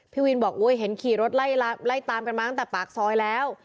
พี่วินบอกเห็นขี่รถไล่ตามกันมาตั้งแต่ปากซอยแล้ว